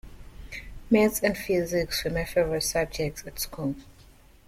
Maths and physics were my favourite subjects at school